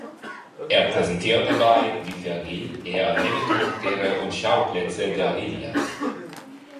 Er präsentiert dabei, wie Vergil, eher Nebencharaktere und -schauplätze der Ilias.